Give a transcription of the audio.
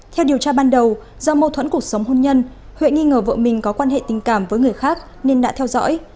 theo điều tra ban đầu do mâu thuẫn cuộc sống hôn nhân huệ nghi ngờ vợ mình có quan hệ tình cảm với người khác nên đã theo dõi